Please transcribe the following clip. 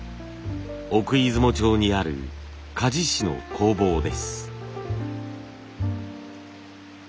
奥出雲町にある鍛冶師の工房です。